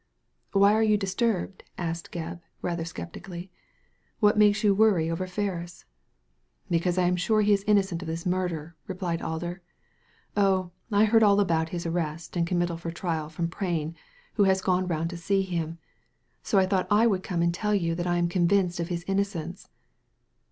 ''Why are you disturbed?" asked Gebb, rather sceptically. "What makes you worry over Ferris ?"" Because I am sure he is innocent of this murder/' replied Alder. "Oh, I heard all about his arrest and committal for trial from Prain, who has gone round to see him. So I thought I would come and tell you that I am convinced of his innocence."